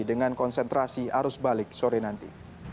dengan konsentrasi arus balik sore nanti